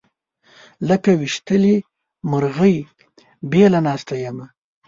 لکه ويشتلې مرغۍ بېله ناسته یمه